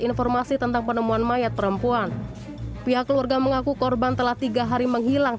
informasi tentang penemuan mayat perempuan pihak keluarga mengaku korban telah tiga hari menghilang